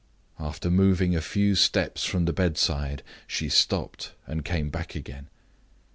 After moving a few steps from the bedside, she stopped, and came back again.